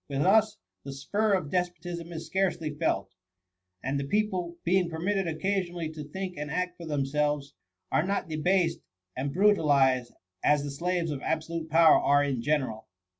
With us, the spur of despotism is scarcely felt; and the peo ple, being permitted occasionally to think and act fOT themselves, are not debased and bru talized as the slaves of absolute power are in general.